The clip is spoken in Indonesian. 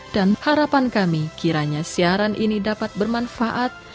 dan harapan kami kiranya siaran ini dapat bermanfaat